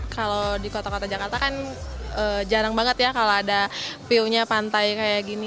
kalau di kota kota jakarta kan jarang banget ya kalau ada view nya pantai kayak gini